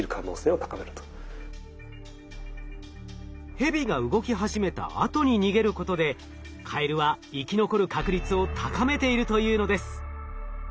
ヘビが動き始めたあとに逃げることでカエルは生き残る確率を高めているというのです。